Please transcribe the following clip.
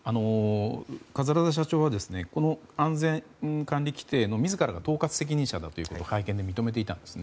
桂田社長はこの安全管理規程の自らが統括責任者だと会見で認めていたんです。